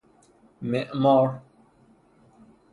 معمار